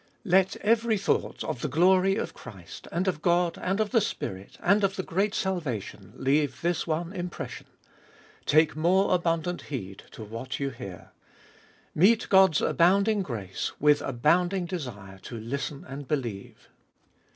2. Let every thought of the glory of Christ, and of God, and of the Spirit, and of the great salvation leave this one impression: Take more abundant heed to what you hear! Meet God's abounding grace with abounding desire to listen and believe.